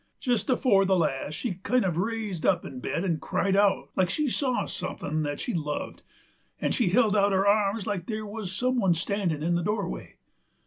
Jest afore the last she kind uv raised up in bed and cried out like she saw sumthin' that she loved, and she held out her arms like there wuz some one standin' in the doorway.